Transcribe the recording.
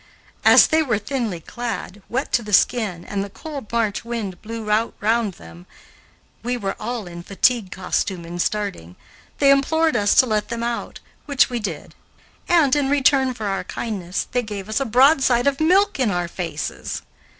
As they were thinly clad, wet to the skin, and the cold March wind blew round them (we were all in fatigue costume in starting) they implored us to let them out, which we did, and, in return for our kindness, they gave us a broadside of milk in our faces.